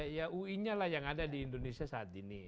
ya ui nya lah yang ada di indonesia saat ini